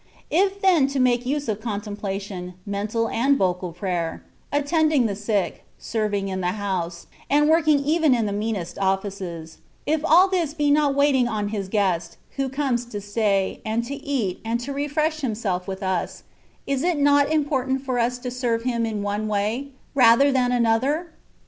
If then to make use of contemplation, mental and vocal prayer; attending the sick, serving in the house, and working even in the meanest offices, — ^if all this be not waiting ont his Guest, who comes to stay, and to eat, and to refresh Himself with us, is it not important for us to serve Him in one way, rather than in another